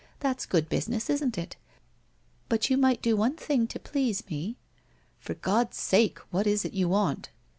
That's good business, isn't it ? But you might do one thing to please me.' 1 For God's sake, what is it you want